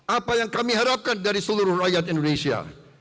apa yang kami harapkan dari seluruh rakyat indonesia